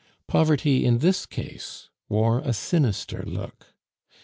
Poverty in this case wore a sinister look.